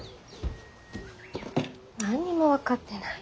何にも分かってない。